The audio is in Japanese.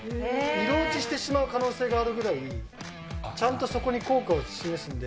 色落ちしてしまう可能性があるぐらい、ちゃんとそこに効果を示すんで。